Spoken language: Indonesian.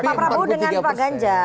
pak prabowo dengan pak ganjar